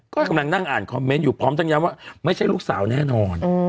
ก็กำลังนั่งอ่านคอมเมนต์อยู่พร้อมทั้งย้ำว่าไม่ใช่ลูกสาวแน่นอน